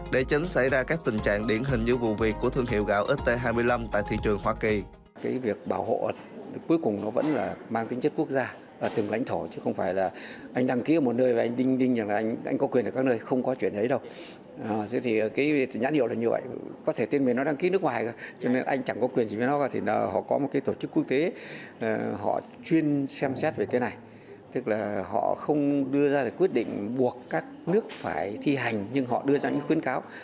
để chấn xảy ra các tình trạng điển hình như vụ việc của thương hiệu gạo xt hai mươi năm tại thị trường hoa kỳ